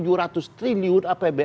kalau k legacy merah merah